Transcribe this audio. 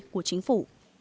của chính phủ